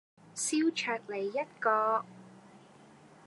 燒鵲脷一個